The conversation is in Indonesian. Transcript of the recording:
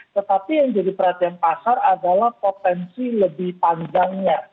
tetapi yang jadi perhatian pasar adalah potensi lebih panjangnya